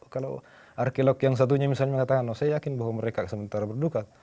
kalau arkeolog yang satunya misalnya mengatakan saya yakin bahwa mereka sementara berduka